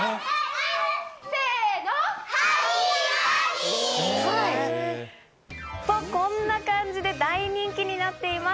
せの！と、こんな感じで大人気になっています。